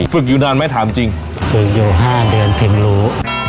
ฝึกอยู่นานไหมถามจริงฝึกอยู่๕เดือนถึงรู้